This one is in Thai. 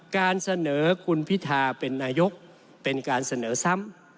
การเสนอคุณพิธาเป็นนายกเป็นการเสนอซ้ำ